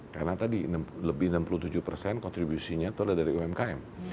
karena tadi lebih enam puluh tujuh persen kontribusinya itu ada dari umkm